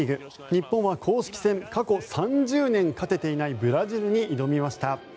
日本は公式戦過去３０年勝てていないブラジルに挑みました。